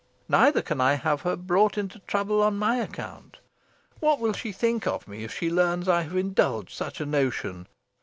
Neither can I have her brought into trouble on my account. What will she think of me, if she learns I have indulged such a notion?